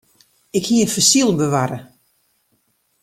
Ik hie in fossyl bewarre.